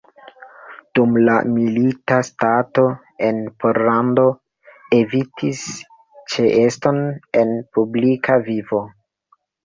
Dum la milita stato en Pollando evitis ĉeeston en publika vivo.